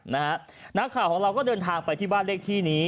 นักข่าวของเราก็เดินทางไปที่บ้านเลขที่นี้